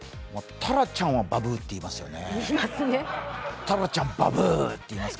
タラちゃんは「ばぶぅ」と言いますよね。